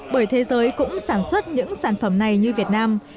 bởi thế giới cũng sản xuất những sản phẩm này như việt nam